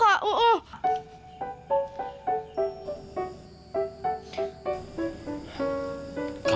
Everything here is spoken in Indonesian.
orangnya ditonjok kak